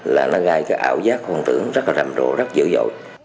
là nó gây cái ảo giác hoàn tưởng rất là rầm rộ rất dữ dội